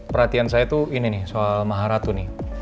perhatian saya tuh ini nih soal maharatu nih